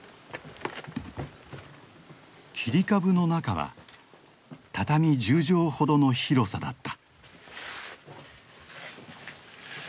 切り株の中は畳１０畳ほどの広さだった。